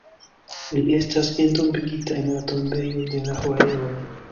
Li estas entombigita en la Tombejo de la Herooj.